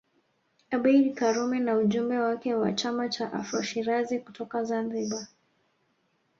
Abeid Karume na ujumbe wake wa chama cha Afro Shirazi kutoka Zanzibar